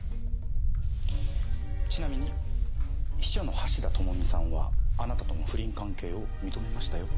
ちなみに秘書の橋田智美さんはあなたとの不倫関係を認めましたよ。